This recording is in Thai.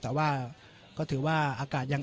ไม่เป็นไรไม่เป็นไร